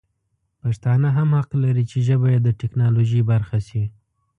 پښتانه هم حق لري چې ژبه یې د ټکنالوژي برخه شي.